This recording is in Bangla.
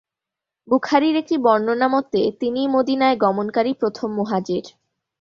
বুখারীর একটি বর্ণনামতে তিনিই মদীনায় গমনকারী প্রথম মুহাজির।